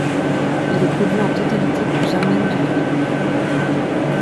Il est produit en totalité par Jermaine Dupri.